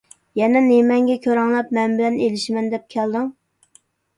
يەنە نېمەڭگە كۆرەڭلەپ مەن بىلەن ئېلىشىمەن دەپ كەلدىڭ؟